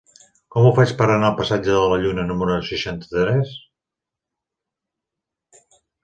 Com ho faig per anar al passatge de la Llacuna número seixanta-tres?